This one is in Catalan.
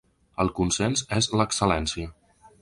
El consens és l’excel·lència.